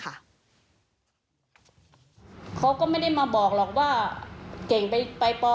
เขาก็ไม่ได้มาบอกหรอกว่าเก่งไปป